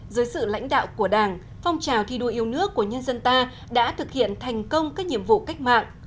dưới sự lãnh đạo của đảng phong trào thi đua yêu nước của nhân dân ta đã thực hiện thành công các nhiệm vụ cách mạng